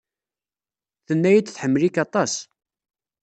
Tenna-iyi-d tḥemmel-ik aṭas.